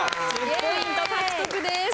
１０ポイント獲得です。